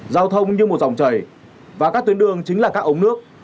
giao thông như một dòng chảy và các tuyến đường chính là các ống nước